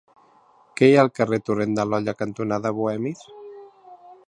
Què hi ha al carrer Torrent de l'Olla cantonada Bohemis?